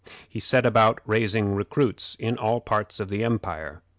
He set about raising recruits in all parts of the empire.